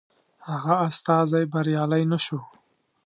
هغه استازی بریالی نه شو.